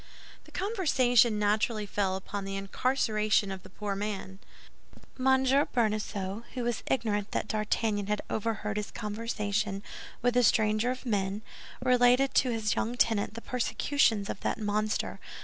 The conversation naturally fell upon the incarceration of the poor man. M. Bonacieux, who was ignorant that D'Artagnan had overheard his conversation with the stranger of Meung, related to his young tenant the persecutions of that monster, M.